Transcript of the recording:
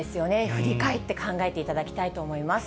振り返って考えていただきたいと思います。